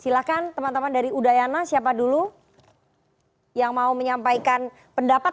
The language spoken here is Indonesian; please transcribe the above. silahkan teman teman dari udayana siapa dulu yang mau menyampaikan pendapat